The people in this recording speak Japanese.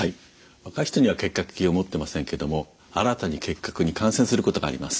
若い人は結核菌を持ってませんけども新たに結核に感染することがあります。